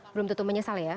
belum tentu menyesal ya